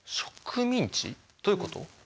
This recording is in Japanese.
どういうこと？